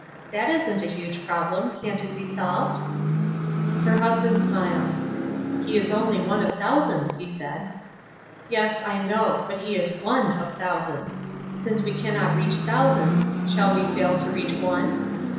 That isn't a huge problem. Can't it be solved?" Her husband smiled. "He is only one of thousands," he said. "Yes, I know; but he is one of thousands. Since we cannot reach thousands, shall we fail to reach one?